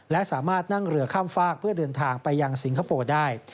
และสามารถนั่งเรือข้ามฝากเพื่อเดินทางไปยังสิงคโปร์ได้